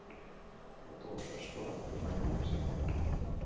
Autobusa eskola umeen bila zihoan.